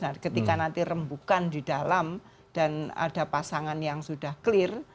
nah ketika nanti rembukan di dalam dan ada pasangan yang sudah clear